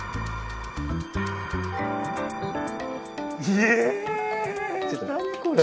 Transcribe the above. ひえ何これ。